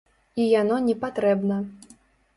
І яно не патрэбна.